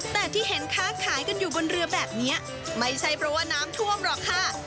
แต่ที่เห็นค้าขายกันอยู่บนเรือแบบนี้ไม่ใช่เพราะว่าน้ำท่วมหรอกค่ะ